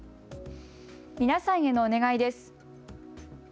皆さんへのお願いです。